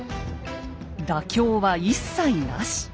妥協は一切なし。